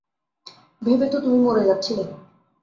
ভেবে তো তুমি মরে যাচ্ছিলে।